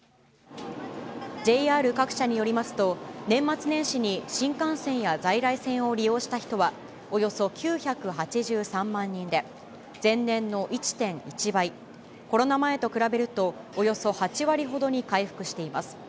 ＪＲ各社によりますと、年末年始に新幹線や在来線を利用した人はおよそ９８３万人で、前年の１．１倍、コロナ前と比べると、およそ８割ほどに回復しています。